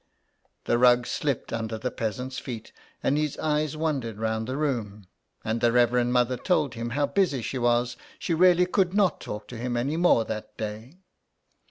The rug slipped under the peasant's feet and his eyes wandered round the room ; and the Reverend Mother told him how busy she was, she really could not talk to him any more that day.